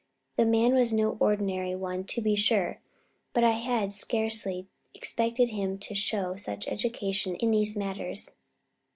The man was no ordinary one, to be sure, but I had scarcely expected him to show such education in these matters.